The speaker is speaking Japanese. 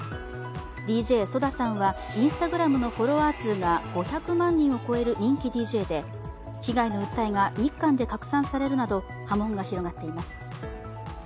ＤＪＳＯＤＡさんはＩｎｓｔａｇｒａｍのフォロワーが５００万人を超える人気ＤＪで被害の訴えが日韓で拡散されるなど、波紋が広がっています。